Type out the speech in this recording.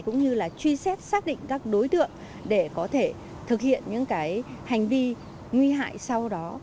cũng như là truy xét xác định các đối tượng để có thể thực hiện những hành vi nguy hại sau đó